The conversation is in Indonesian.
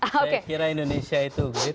saya kira indonesia itu